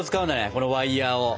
このワイヤーを。